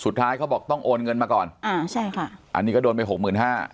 เขาบอกต้องโอนเงินมาก่อนอ่าใช่ค่ะอันนี้ก็โดนไปหกหมื่นห้า